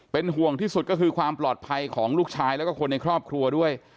เป็นห่วงที่สุดก็คือความปลอดภัยของลูกชายแล้วก็คนในครอบครัวด้วย